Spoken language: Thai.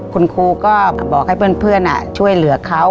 คุณครูก็บอกให้เพื่อนช่วยเหลือเขา